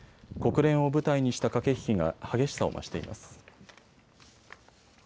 国連を舞台にした駆け引きが激しさを増しています。